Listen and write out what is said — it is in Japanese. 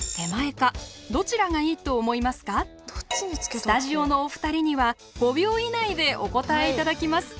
スタジオのお二人には５秒以内でお答え頂きます。